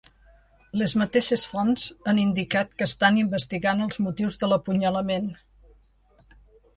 Les mateixes fonts han indicat que estan investigant els motius de l’apunyalament.